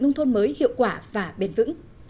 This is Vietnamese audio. nông thôn mới hiệu quả và bền vững